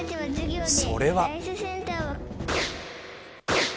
それは。